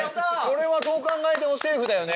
これはどう考えてもセーフだよね。